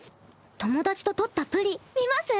友達と撮ったプリ見ます？